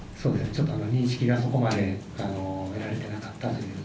ちょっと認識がそこまで得られてなかったという。